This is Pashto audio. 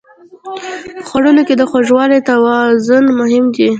په خوړو کې د خوږوالي توازن مهم دی.